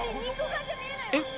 えっ？